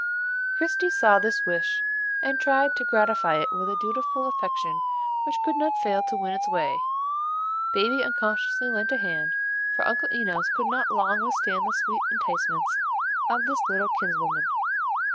Christie saw this wish, and tried to gratify it with a dutiful affection which could not fail to win its way. Baby unconsciously lent a hand, for Uncle Enos could not long withstand the sweet enticements of this little kinswoman.